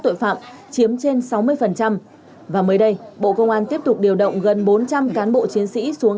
tội phạm chiếm trên sáu mươi và mới đây bộ công an tiếp tục điều động gần bốn trăm linh cán bộ chiến sĩ xuống